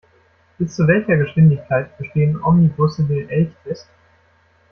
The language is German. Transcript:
Bis zu welcher Geschwindigkeit bestehen Omnibusse den Elchtest?